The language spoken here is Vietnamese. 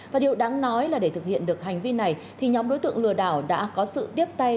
và điều đáng nói là để thực hiện được hành vi này thì nhóm đối tượng lừa đảo đã có sự tiếp tay